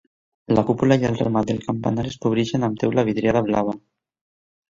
La cúpula i el remat del campanar es cobreixen amb teula vidriada blava.